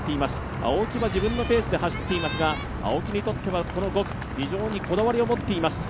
青木は自分のペースで走っていますが、青木にとってはこの５区、非常にこだわりを持っています。